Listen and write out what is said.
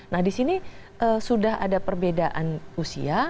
nah disini sudah ada perbedaan usia